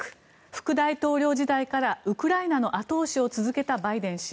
副大統領時代からウクライナの後押しを続けたバイデン氏。